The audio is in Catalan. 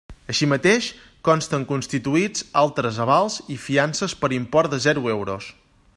Així mateix, consten constituïts altres avals i fiances per import de zero euros.